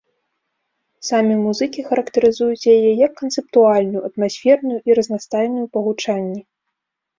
Самі музыкі характарызуюць яе як канцэптуальную, атмасферную і разнастайную па гучанні.